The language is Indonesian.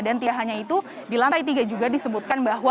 dan tidak hanya itu di lantai tiga juga disebutkan bahwa